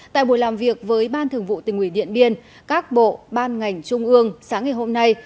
tại buổi làm việc với ban thường vụ tình ủy điện biên các bộ ban ngành trung ương sáng ngày hôm nay